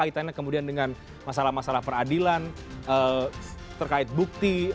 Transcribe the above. kaitannya kemudian dengan masalah masalah peradilan terkait bukti